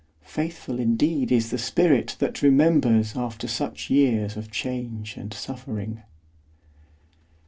Faithful indeed is the spirit that remembers After such years of change and suffering!